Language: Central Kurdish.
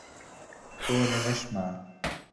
تۆ لە لەشما